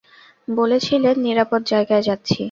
বলেছিলেন নিরাপদ জায়গায় যাচ্ছি।